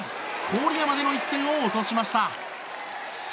郡山での一戦を落としました。